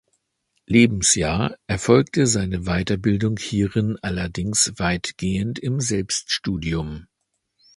Lebensjahr erfolgte seine Weiterbildung hierin allerdings weitgehend im Selbststudium.